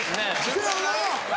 せやよな。